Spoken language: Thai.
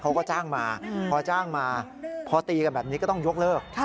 เขาก็จ้างมาพอจ้างมาพอตีกันแบบนี้ก็ต้องยกเลิก